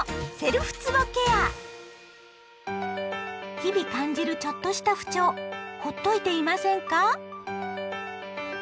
日々感じるちょっとした不調ほっといていませんか？